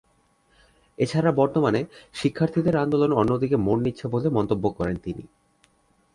এ ছাড়া বর্তমানে শিক্ষার্থীদের আন্দোলন অন্যদিকে মোড় নিচ্ছে বলে মন্তব্য করেন তিনি।